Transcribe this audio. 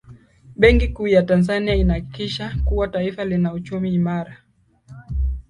benki kuu ya tanzania inahakikisha kuwa taifa lina uchumi imara